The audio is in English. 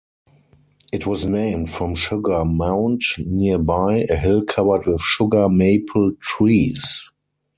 It was named from Sugar Mound nearby, a hill covered with sugar maple trees.